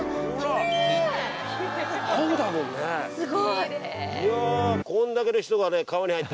すごい！